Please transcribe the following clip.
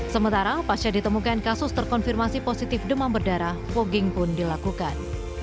sementara pasca ditemukan kasus terkonfirmasi positif demam berdarah fogging pun dilakukan